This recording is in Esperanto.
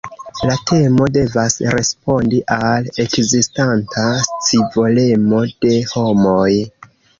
La temo devas respondi al ekzistanta scivolemo de homoj.